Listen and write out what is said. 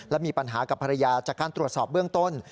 และมีปัญหากับภรรยาจากการตรวจสอบเบื้องต้น